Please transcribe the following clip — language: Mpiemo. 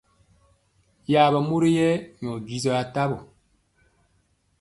Yaɓɛ mori yɛ nyɔ jisɔ atawɔ.